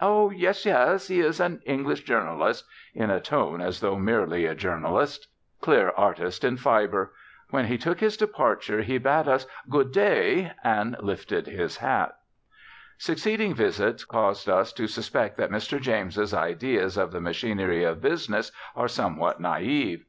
"Oh, yes, yes; he is an English journalist," in a tone as though, merely a journalist. Clear artist in fibre. When he took his departure he bade us "Good day," and lifted his hat. Succeeding visits caused us to suspect that Mr. James's ideas of the machinery of business are somewhat naive.